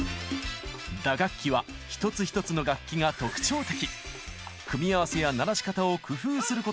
打楽器は一つ一つの楽器が特徴的！